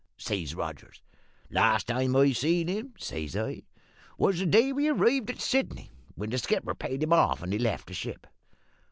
says Rogers. "`The last time I seen him,' says I, `was the day we arrived in Sydney, when the skipper paid him off and he left the ship.'